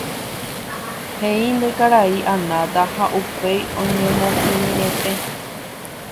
he'ínte karai Anata ha upéi oñemokirirĩete.